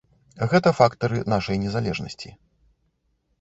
Гэта фактары нашай незалежнасці.